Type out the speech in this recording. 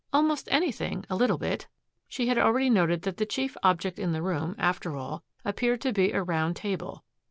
"Almost anything a little bit." She had already noted that the chief object in the room, after all, appeared to be a round table.